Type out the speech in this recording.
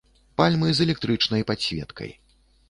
Пальмы з электрычнай падсветкай.